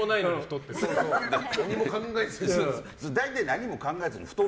何も考えずにって。